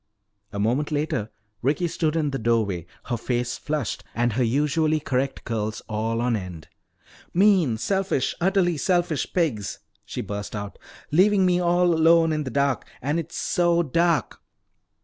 A moment later Ricky stood in the doorway, her face flushed and her usually correct curls all on end. "Mean, selfish, utterly selfish pigs!" she burst out. "Leaving me all alone in the dark! And it's so dark!"